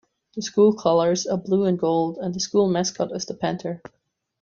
The school colors are blue and gold, and the school mascot is the Panther.